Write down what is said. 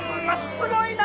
すごいな！